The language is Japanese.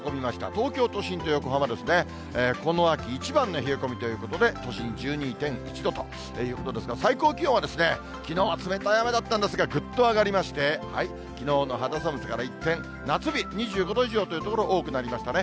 東京都心と横浜、この秋一番の冷え込みということで、都心１２．１度ということですが、最高気温は、きのうは冷たい雨だったんですが、ぐっと上がりまして、きのうの肌寒さから一転、夏日２５度以上という所、多くなりましたね。